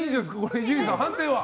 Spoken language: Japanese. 伊集院さん、判定は？